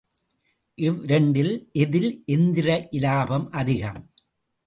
இவ்விரண்டில் எதில் எந்திர இலாபம் அதிகம்?